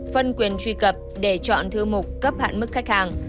phân quyền truy cập để chọn thư mục cấp hạn mức khách hàng